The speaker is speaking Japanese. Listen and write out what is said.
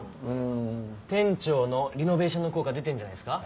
店長のリノベーションの効果出てんじゃないですか？